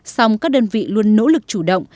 song các đơn vị luôn nỗ lực chủ động